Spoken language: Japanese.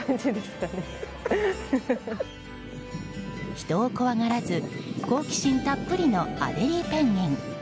人を怖がらず好奇心たっぷりのアデリーペンギン。